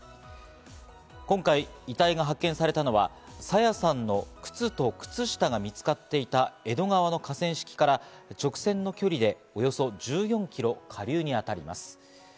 今回、遺体が発見されたのは朝芽さんの靴と靴下が見つかっていた江戸川の河川敷から直線の距離でおよそ１４キロ下流に当たります。